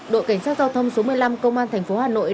đội cảnh sát giao thông số một mươi năm công an thành phố hà nội